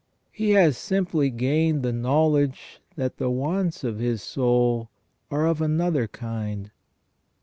He has simply gained the knowledge that the wants of his soul are of another kind.